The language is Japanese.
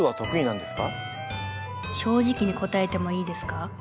正直に答えてもいいですか？